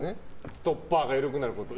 ストッパーが緩くなること？